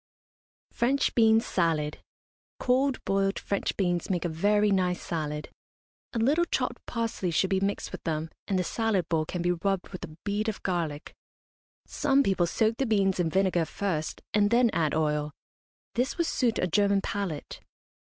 FRENCH BEAN SALAD. Cold boiled French beans make a very nice salad. A little chopped parsley should be mixed with them, and the salad bowl can be rubbed with a bead of garlic. Some people soak the beans in vinegar first, and then add oil. This would suit a German palate.